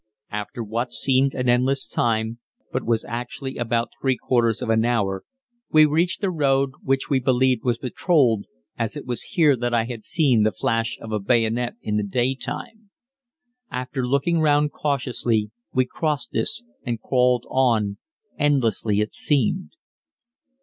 After what seemed an endless time, but was actually about three quarters of an hour, we reached a road which we believed was patrolled, as it was here that I had seen the flash of a bayonet in the day time. After looking round cautiously we crossed this, and crawled on endlessly, it seemed.